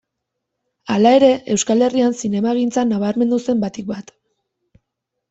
Hala ere, Euskal Herrian zinemagintzan nabarmendu zen batik bat.